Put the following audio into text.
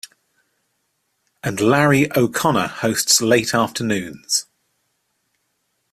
And Larry O'Connor hosts late afternoons.